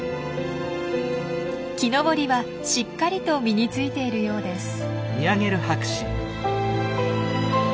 木登りはしっかりと身についているようです。